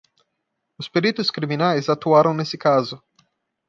Os peritos criminais atuaram nesse caso.